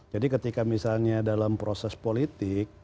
jadi ketika misalnya dalam proses politik